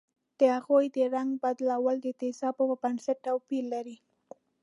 د هغوي د رنګ بدلون د تیزابو په نسبت توپیر لري.